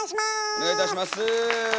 お願いいたします。